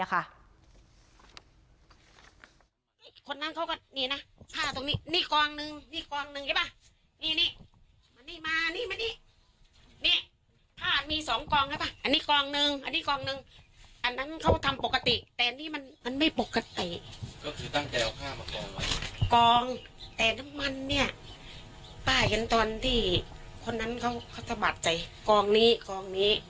กองแต่น้ำมันเนี่ยป้าเห็นตอนที่คนนั้นเขาสะบัดใจกองนี้กองนี้